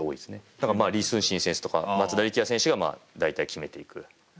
だから李承信選手とか松田力也選手が大体決めていくのが大きな流れですね。